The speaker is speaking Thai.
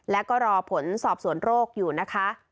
แล้วก็รอผลสอบสวนโรคอยู่นะคะ